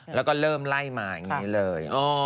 แล้วก็เริ่มไล่มาอย่างนี้เลย